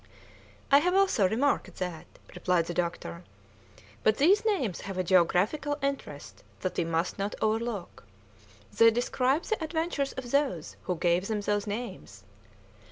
"I have also remarked that," replied the doctor, "but these names have a geographical interest that we must not overlook. They describe the adventures of those who gave them those names.